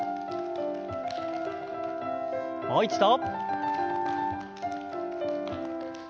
もう一度。